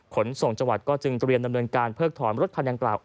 ขนส่งจังหวัดก็จึงเตรียมดำเนินการเพิกถอนรถคันดังกล่าว